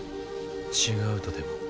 違うとでも？